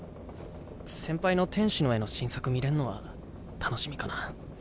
先輩の天使の絵の新作見れんのは楽しみかな。